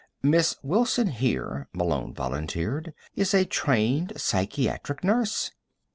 "Miss Wilson here," Malone volunteered, "is a trained psychiatric nurse."